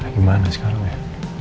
gimana sekarang ya